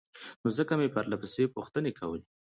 نو ځکه مې پرلهپسې پوښتنې کولې